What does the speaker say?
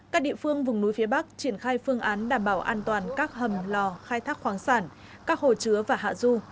các địa phương vùng núi phía bắc triển khai phương án đảm bảo an toàn các hầm lò khai thác khoáng sản các hồ chứa và hạ du